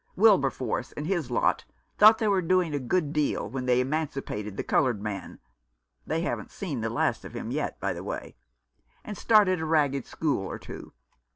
Wilberforce and his lot thought they were doing a good deal when they emancipated the coloured man — they haven't seen the last of him yet, by the way — and started a ragged school or two.